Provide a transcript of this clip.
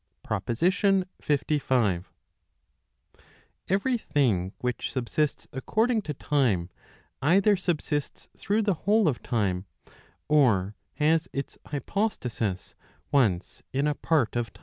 PROPOSITION LV. t Every thing which subsists according to time, either subsists through the whole of time, or has its hypostasis once in a part of time.